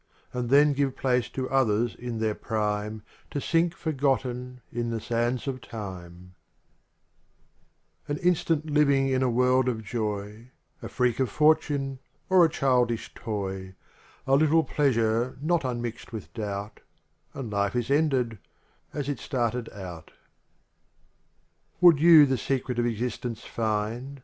And then give place to others in their prime To sink forgotten in the sands of time XLvm An instant living in a world of joy, A freak of fortune, or a childish toy; A little pleasure not unmixed with doubt, And life is ended —as it started out, XL1X Would you the secret of existence find.